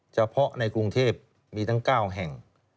เฉพาะในกรุงเทพมีตั้ง๙แห่ง